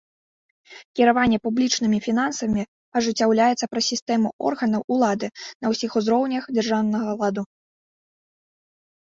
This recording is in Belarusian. Кіраванне публічнымі фінансамі ажыццяўляецца праз сістэму органаў улады на ўсіх узроўнях дзяржаўнага ладу.